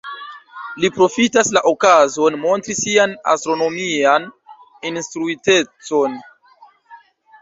Li profitas la okazon montri sian astronomian instruitecon.